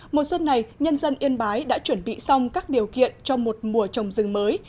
mùa xuân này nhân dân yên bái đã chuẩn bị xong các điều kiện cho một mùa trồng rừng mới